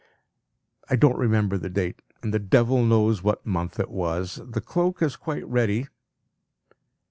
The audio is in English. I don't remember the date. The devil knows what month it was. The cloak is quite ready.